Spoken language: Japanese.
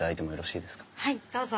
はいどうぞ。